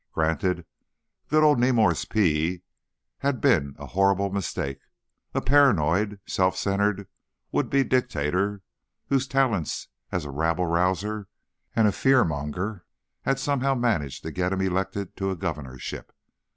Granted, good old Nemours P. had been a horrible mistake, a paranoid, self centered, would be dictator whose talents as a rabble rouser and a fearmonger had somehow managed to get him elected to a governorship.